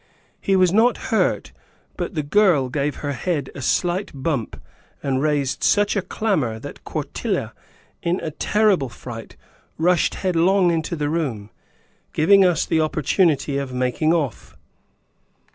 He was not hurt, but the girl gave her head a slight bump, and raised such a clamor that Quartilla, in a terrible fright, rushed headlong into the room, giving us the opportunity of making off.